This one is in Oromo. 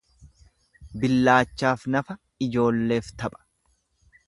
Billaachaaf nafa ijoolleef tapha.